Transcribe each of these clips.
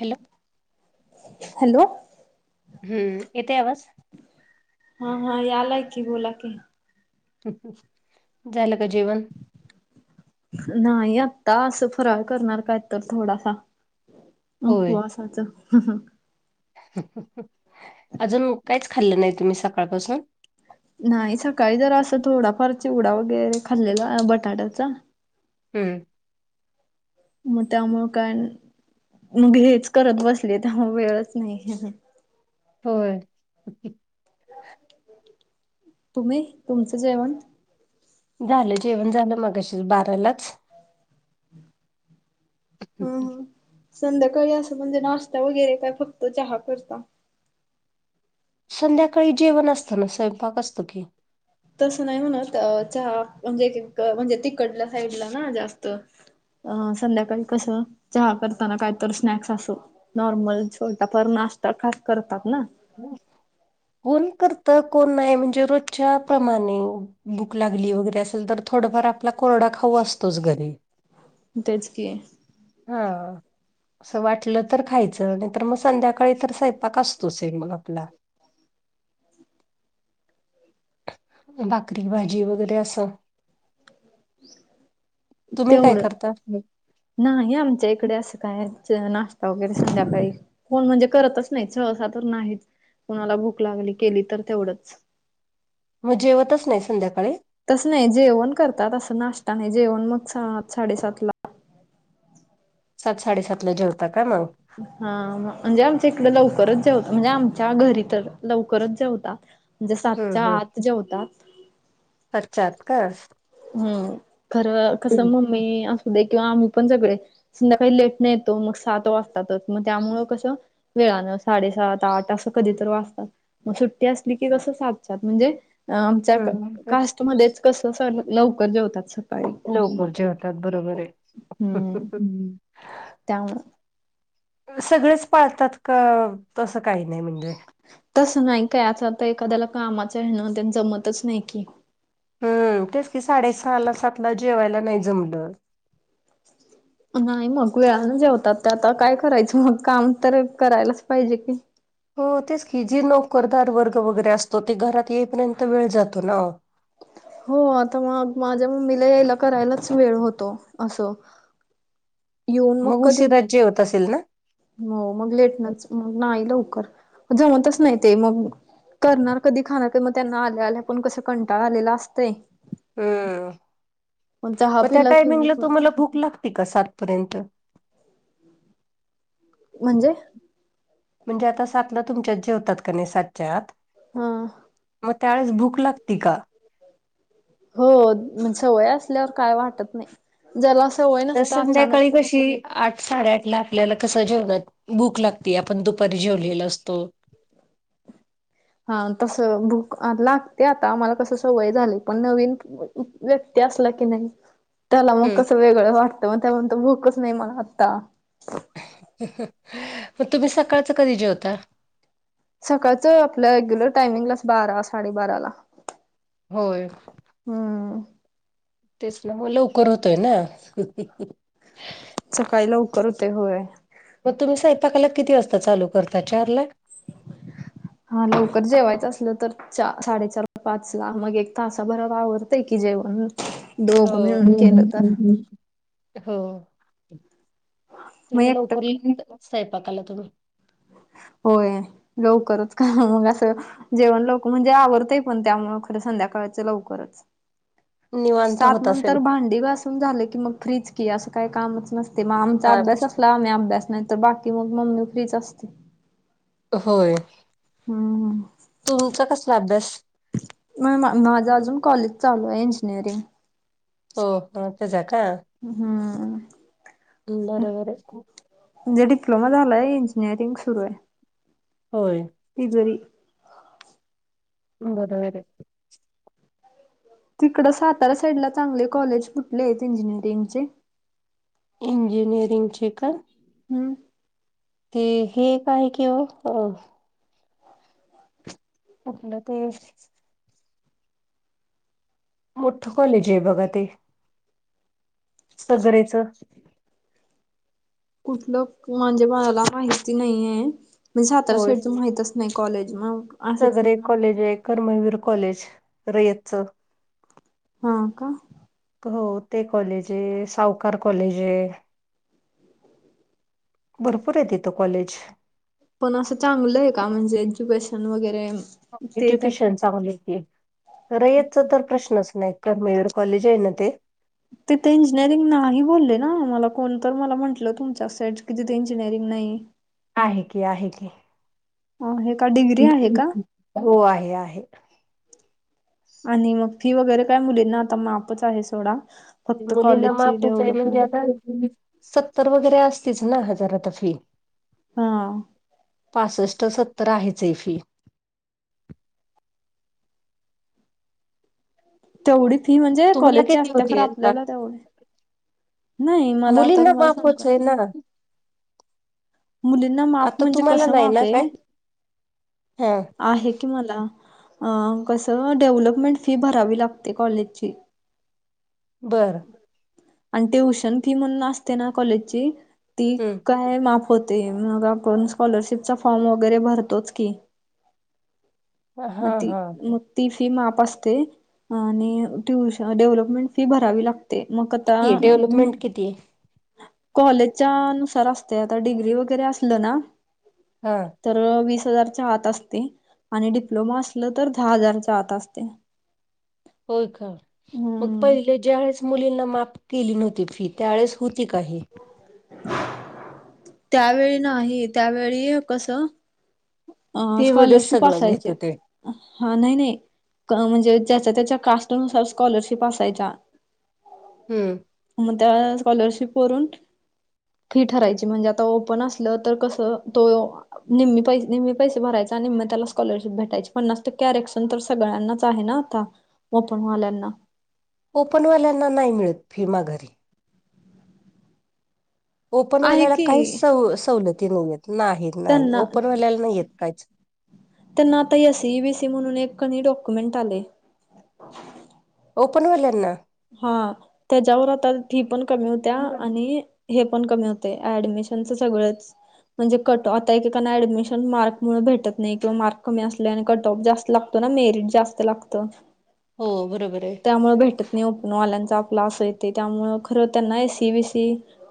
Hello. Hello. हम्म. येतय आवाज? हा, हा. यालाय की. बोला की. झालं का जेवण? नाही आत्ता. असं, फराळ करणार काय तर थोडासा. होय उपवासाचं. अजून काहीच खाल्लं नाही तुम्ही, सकाळपासून. नाही. सकाळी जरा असं, थोडाफार चिवडा वगैरे खाल्लेला, बटाट्याचा. हम्म. मग त्यामुळे काय न. मग हेच करत बसले. त्यामुळे वेळच नाही. होय. [inaudible] तुम्ही? तुमचं जेवण. झालं, जेवण झालं. मगाशीच बारालाच. ह, हम ह. हम संध्याकाळी असं म्हणजे, नाश्ता वगैरे का फक्त चहा करता. संध्याकाळी जेवण असतं ना. स्वयंपाक असतो की. तसं नाही म्हणत. अ चहा म्हणजे तीक म्हणजे तिकडल्या साईडला ना, जास्त अ संध्याकाळी कसं, चहा करताना कायतर स्नॅक्स, असं. नॉर्मल, छोटा फार नाश्ता खा करतात ना. कोण करतं, कोण नाही. म्हणजे रोजच्या प्रमाणे. भूक लागली, वगैरे असेल तर थोडफार आपला कोरडा खाऊ असतोच घरी. तेच की. हां. तसं वाटलं तर खायचं. नाही तर मग, संध्याकाळी तर स्वयंपाक असतोचय मग आपला. भाकरी- भाजी, वगैरे असं. तुम्ही काय तेवढं करता? हं. नाही आमच्या इकडे असं काय, च नाश्ता वगैरे संध्याकाळी. कोण म्हणजे करतच नाही, सहसा तर नाहीच. कुणाला भूक लागली, केली तर तेवढंच. [inaudible] मग जेवतच नाही संध्याकाळी? तस नाही, जेवण करतात. असं नाश्ता नाही, जेवण मग सात- साडेसातला. सात साडेसात ला जेवता का मग हां म्हणजे आमच्या इकडे लवकरच जेवत म्हणजे आमच्या घरी तर लवकरच जेवता म्हणजे हम्म सातच्या हम्म आत जेवतात. सातच्या आत का? हम्म खरं कसं मम्मी असू दे किंवा आम्ही पण सगळे संध्याकाळी लेट न येतो मग सात वाजतातच मग त्यामुळं कसं वेळानं साडेसात आठ असं कधी तर वाजतात मग सुट्टी असली की कसं सातच्या आत म्हणजे अह आमच्या हम्म कास्टमध्येच कस अस लवकर जेवतात सकाळी लककर जेवतात बरोबर आहे. हम्म त्यामुळं सगळेच पाळतात का तसं काही नाही म्हणजे तसं नाही काय असं आतां एखाद्याला कामाच आहे ना तेन जमतच नाही की हम्म तेच की साडेसहाला सातला जेवायला नाही जमलं. अ नाही मग वेळान जेवतात ते आता काय करायचं मग काम तर करायलाच पाहिजे की हो तेच की जी नोकरदार वर्ग वगैरे असतो ते घरात येईपर्यंत वेळ जातो ना ओ. हो आता मग माझ्या मम्मीला यायला करायलाच वेळ होतो असं येऊन मग कधी उशिराच जेवत असेल ना. हो मग लेटनच मग नाही लवकर जेवतच नाही ते मग करणार कधी, खाणार का मग त्यांना आल्या आल्या पण कस कंटाळ आलेला असतय हम्म चहा मग त्या पिला की टायमिंगला तुम्हाला भूक लागते का सातपर्यंत. म्हणजे? म्हणजे आता सातला तुमच्यात जेवतात का नाही सातच्या आत हा. मग त्यावेळेस भूक लागती का. हो सवय असल्यावर काय वाटत नाही ज्याला सवय तर नसता अचानक संध्याकाळी कशी आठ साडेआठ ला आपल्याला कसं जेवणात भूक लागते आपण दुपारी जेवलेलो असतो. हा तस भूक अह लागते आता आम्हाला कस सवय झाली पण नवीन व्यक्ती असला की नाही. त्याला मग हम्म कसं वेगळं वाटतं मग तो म्हणंत भूकच नाही मला आत्ता मग तुम्ही सकाळचं कधी जेवता सकाळचं आपलं रेग्युलर टायमिंगलाच बारा साडेबारा ला होय. हम्म. तेच ना मग लवकर होतोय ना. सकाळी लवकर होतय, होय. मग तुम्ही स्वयंपाकाला किती वाजता चालू करता? चार ला. हां लवकर जेवायचं असलं तर चा साडेचार पाच ला मग एक तासाभरात आवरतय की जेवण. हो मिळून केलं तर [inaudible] हो मग लय एकटं लवकर [unintelligible] स्वयंपाकाला तुम्ही होय लवकरच का मग असं जेवण लवकर म्हणजे आवरतय पण त्यामुळ खरं संध्याकाळच लवकरच. निवांत सात होत असेल. नंतर भांडी घास. झालं कि मग फ्रीज की असं काय कामच नसते मग आमचा अभ्यास ताजच नाही. असला आम्ही अभ्यास नाही. तर बाकी मग मम्मी फ्रीच असते. होय. हम्. तुमचा कसला अभ्यास. होय मग माझं अजून कॉलेज चालू आहे इंजिनिअरिंग. हो हो तेझा का. हम्म. बरोबर. म्हणजे डिप्लोमा झालाय हे इंजिनिअरिंग सुरू आहे. होय. ती घरी. बरोबर. तिकड साताऱ्या साईड ला चांगले कॉलेज कुठले आहेत इंजिनिअरिंग चे. इंजिनीयरिंग ची का. हम्म. ते हे काय कि हो. कुठल ते. मोठं कॉलेज हे बघा ते. सगरेचं. कुठलं म्हणजे मला माहिती नाहीये म्हणजे साताऱ्या होय साईडच माहित अस. नाही कॉलेज मग. असंच सगरे एक कॉलेज आहे कर्मवीर कॉलेज रयतच. हाका. हो ते कॉलेज आहे सावकार कॉलेज आहे. भरपूर आहे तिथ कॉलेज. पण असं चांगलं आहे का म्हणजे एज्युकेशन वगैरे. ते त्या एज्युकेशन चांगल हे रयतच तर प्रश्नच नाही. तर मेड कॉलेज आहे ना ते. तिथे इंजिनिअरिंग नाही बोलले ना मला कोणत मला म्हंटलं तुमच्या साईड कि तिथे इंजिनिअरिंग नाही. आहे की आहे की हे का डिग्री आहे का हो आहे आहे. आणि मग फी वगैरे काय मुली ना आता माफच आहे सोडा. फक्त मुलींना कॉलेजची माफ म्हणजे डेव्हलपमेंट आता सत्तर वगैरे असतीच ना हजार आता फी. हा. पासष्ट सत्तर आहेच हा फी तेवढी फी म्हणजे तुम्हाला कॉलेज ची किती असते खरं होती आता? आपल्याला तेवढी. नाही मला आता मुलींना तुम्हाला सांगू का. माफच आहे ना. मुलींना माप आता म्हणजे तुम्हाला कसं नाही माप ना काय आहे हा. आहे कि मला अ कसं डेव्हलपमेंट फी भरावी लागते कॉलेजची. बरं. आणि ट्युशन फी मधुन असते ना कॉलेजची ती. हम्म का माफ होते मग आपण स्कॉलरशिपचा फॉर्म वगैरे भरतोच की. मग हा ती. हा. ती फी माफ असते आणि ट्यूश डेव्हलपमेंट फी भरावी लागते म. किती आहे डेव्हलपमेंट किती आहे? कॉलेजच्या नुसार असते आता डिग्री वगैरे असलं ना हा. तर वीस हजारच्या आत असते. आणि डिप्लोमा असलं तर दहा हजारच्या आत असते. होय का? मग हम्म पहिले ज्यावेेळेस मुलींना माफ केली नव्हती फी, त्यावेेळेस होती का हे? त्यावेळी नाही, त्यावेळी कसं अ फी मध्येच स्कॉलरशिप सगळं घेत असायचे. होते. हा नाही -नाही म्हणजे ज्याचा त्याच्या कास्टनुसार स्कॉलरशिप असायच्या. [inaudible] हम्म. मग त्या स्कॉलरशिप वरून फी ठरायची म्हणजे आता ओपन असलं तर कसं तो निम्मी पैसे निम्मी पैसे भरायच आणि निम्मी त्याला स्कॉलरशिप भेटायची. पन्नास टक्के आरक्षण तर सगळ्यांनाच आहे ना आता. ओपन वाल्यांना. ओपनवाल्यांना नाही मिळत फी माघारी. आहे ओपनवाल्याला की काहीच सव- सवलती नाहीयेत, नाही- नाही त्यांना ओपनवाल्याला नाहीयेत काहीच. त्यांना आता एसई, वी सी, म्हणून एक डॉक्युमेंट आले ओपन वाल्यांना? हा, त्याच्यावर आता फी पण कमी होत्या आणि हे पण कमी होते, ऍडमिशनच सगळंच. म्हणजे कट आता एकेकाना ऍडमिशन मार्क मूळ भेटत नाही किंवा मार्क कमी असले आणि कट ऑफ जास्त ना मेरिट जास्त लागत. हो बरोबर आहे. त्यामुळे भेटत नाही ओपनवाल्यांच आपला असं येते. त्यामुळं खरं त्यांना एसी, बीसी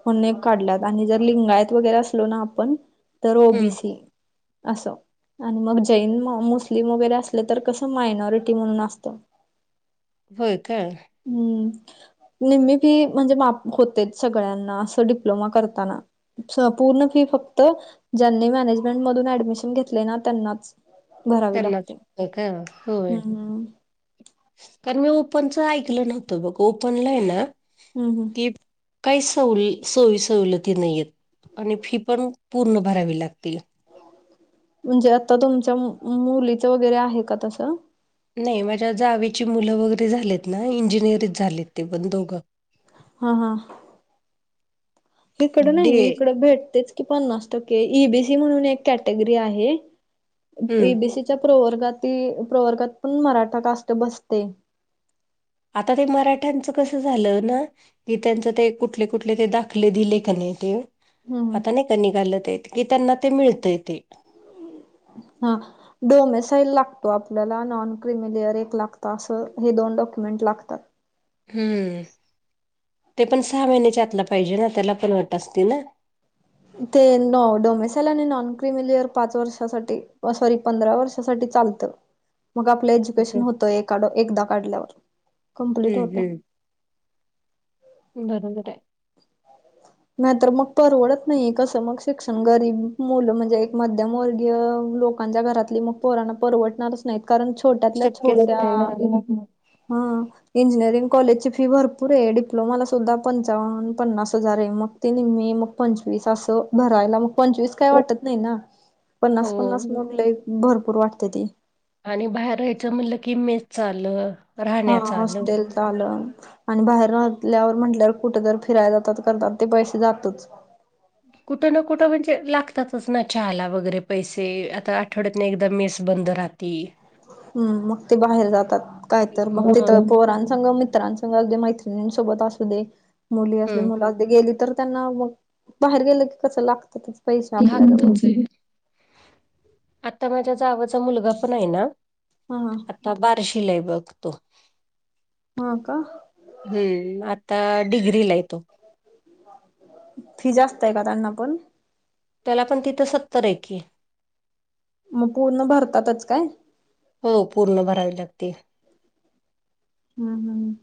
म्ह काढलात आणि जर लिंगायत वगैरे असलो ना आपण तर हम्म ओबीसी असं आणि मग जैन, मुस्लिम, वगैरे असले तर कसं मायनॉरिटी म्हणून असतं. हो काय? हम्म... निम्मी फी म्हणजे माफ होते सगळ्यांना असं डिप्लोमा करताना. पूर्ण फी फक्त ज्यांनी मॅनेजमेंट मधून ऍडमिशन घेतले ना त्यांनाच भरावी त्यांनाच लागते. फक्त का, होय. हम्म हम्म. कारण मी ओपनचं ऐकलं नव्हतं बघ, ओपनला आहे ना हम् हम... कि, काय सवली सोय -सवलती नाहीयेत. आणि फी पण पूर्ण भरावी लागती. म्हणजे आता तुमच्या मुलीच वगैरे आहे का तसं? नाही माझ्या जावेची मुलं वगैरे झालेत ना, इंजिनिअरीत झालेत ते पण दोघं हा हा, इकडे डे नाही इकड भेटतयच. पन्नास टक्के, ईबीसी म्हणून एक कॅटेगरी आहे. हम्म इबीसी च्या प्रवर्गातील, प्रवर्गात पण मराठा कास्ट बसते. आता ते मराठ्यांचं कसं झालं ना कि त्यांच ते कुठले- कुठले ते दाखले दिले का नाही ते हम्म आता नाही का निघालत येत की त्यांना ते मिळतय तेे. हा. डोमेसाईल लागतो आपल्याला. नॉन क्रिमिलेयर एक लागत. असं हे दोन डॉक्युमेंट लागतात. हम्म. ते पण सहा महिन्याच्या आतलं पाहिजे ना? त्याला पण अट असते ना? ते न डोमेसाईल आणि नॉन क्रिमिलिअर पाच वर्षासाठी सॉरी पंधरा वर्षासाठी चालते. मग आपलं एज्युकेशन हम्म होत एकदा काढल्यावर कमप्लीट होत. हम्म बरोबर हाय. नाही तर मग परवडत नाही. कसं मग शिक्षण गरीब मुलं म्हणजे एक मध्यमवर्गीय लोक- लोकांच्या घरातली मग पोराना परवडणारच नाहीत. कारण छोट्यातल्या शक्यच छोट्या- नाही ना हम. इंजिनिअरिंग कॉलेजची फी भरपूर आहे. डिप्लोमाला सुद्धा पंचावन् पन्नास हजार आहे मग. ते निम्मी मग पंचवीस अस भरायला मग पंचवीस- काही वाटत नाही ना? पन्नास पन्नास हो म्हटले भरपूर वाटते ते. आणि बाहेर राहायचं म्हणलं कि मेसच आलं. हां. राहण्याचं आलं हॉस्टेलच आलं. आणि बाहेर राहिल्यावर म्हटल्यावर कुठे तर फिरायला जातात करतात ते पैसे जातच. कुठं ना कुठं म्हणजे लागतात ना चहाला वगैरे पैसे. आता आठवड्यातन एकदा मेस बंद राहत- ती. हम्. मग ते बाहेर जातात. काय तर मग तिथ पोरांसांग मित्रांस- संग असू दे. मैत्रिणीसोबत असुदे. मुली असुदे मुल हम्म असुदे गेली तर- त्यांना मग बाहेर गेलं की कस लागत्यातच. [unintelligible] आत्ता माझ्या जावचा मुलगा पण आहे ना? हा तर बार्शीला आहे बघ तो. हा का? हम्म. आत्ता डिग्रीला य तो. फी जास्तय का त्यांना पण? त्याला पण तिथं सत्तर आहे की. म पूर्ण भरतातच काय? हो पूर्ण भरावी लागते. हम्म. हम्.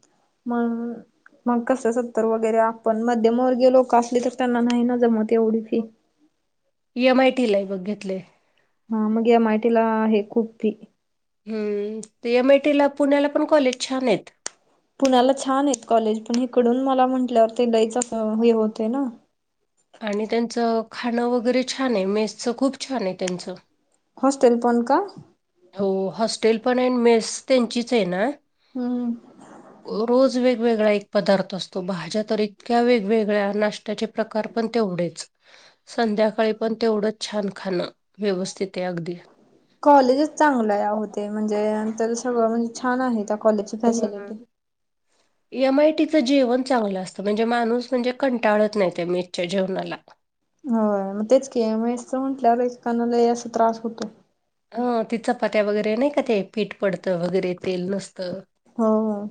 म- मग कसं सत्तर वगैरे आपण मध्यमवर्गीय लोक असली तर त्यांना नाही ना जमत एवढी फी. एम आय टी ला आहे बघ घेतलय. हा मग एम आय टी ला आहे खूप फी. हम्म. ते एम आय टी ला पुण्याला पण कॉलेज खूप छान आहेत. पुण्याला छान आहेत कॉलेज. पण इकडून मला म्हंटल्यावर ते लईच अस हे होतय ना? आणि त्यांचं खाणं वगैरे छान ए. मेसचं खूप छान आहे त्यांचं. हॉस्टेल पण का? हो. हॉस्टेल पण आहे अन मेस त्यांचीच आहे ना. हम्म. रोज वेगवेगळा एक पदार्थ असतो. भाज्या तर इतक्या वेगवेगळ्या नाश्त- -श्त्याचे प्रकार पण तेवढेच. संध्याकाळी पण तेवढंच छान खाणं व्यवस्थित ए अगदी. कॉलेजच चांगलं आहे. अहो ते म्हणजे नंतर सगळं म्हणजे छान आहे. कॉलेजची हम्म. फॅसिलिटी एम आय टी च जेवण चांगलं असतं. म्हणजे माणूस म्हणजे कंटाळत नाही त्या मेजच्या जेवणाला. होय मग तेच के एम आय च म्हटल्या एकानाला अस त्रास होतो. अ तिच पात्या वगैरे नाही का ते पीठ पडतं वगैरे तेल नसतं. हो ह